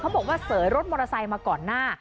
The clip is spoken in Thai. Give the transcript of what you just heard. บอกว่าเสยรถมอเตอร์ไซค์มาก่อนหน้า